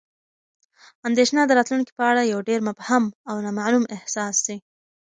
اندېښنه د راتلونکي په اړه یو ډېر مبهم او نامعلوم احساس دی.